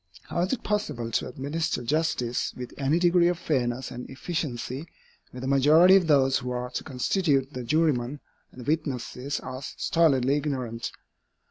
How is it possible to administer justice with any degree of fairness and efficiency, where the majority of those who are to constitute the jurymen and the witnesses are stolidly ignorant?